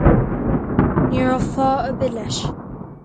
Ní raibh fáth ar bith leis.